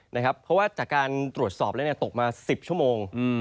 เพราะว่าจากการตรวจสอบแล้วตกมา๑๐ชั่วโมง